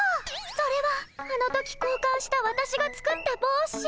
それはあの時こうかんしたわたしが作ったぼうし。